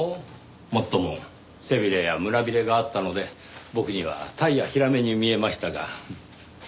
もっとも背びれや胸びれがあったので僕にはタイやヒラメに見えましたが。